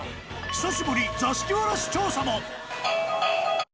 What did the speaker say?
久しぶり、座敷わらし調査も。